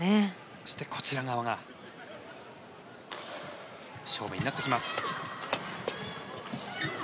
そして、こちら側が勝負になってきます。